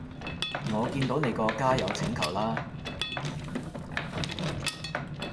我見到你個加友請求啦